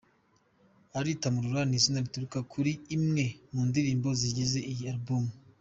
Aritamurura ni izina rituruka kuri imwe mu ndirimbo zigize iyi Album.